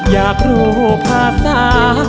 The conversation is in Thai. อยากรู้ภาษา